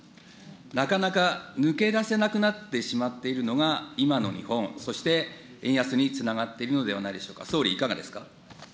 なかなか抜け出せなくなってしまっているのが、今の日本、そして円安につながっているのではないでしょうか。